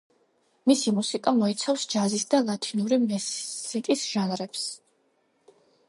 მისი მუსიკა მოიცავს ჯაზის და ლათინური მუსიკის ჟანრებს.